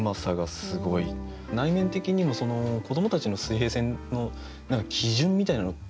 内面的にも子どもたちの水平線の何か基準みたいなのって